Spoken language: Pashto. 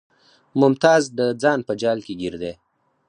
ممتاز د ځان په جال کې ګیر دی